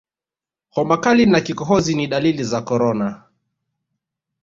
homa kali na kikohozi ni dalili za korona